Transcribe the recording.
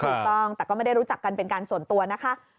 ถูกต้องแต่ก็ไม่ได้รู้จักกันเป็นการส่วนตัวนะคะ